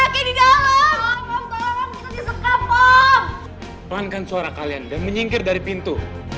pelan kan suara kalian dan menyingkir dari pintu